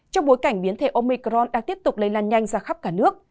trong bối cảnh biến thể omicron đang tiếp tục lây lan nhanh ra khắp cả nước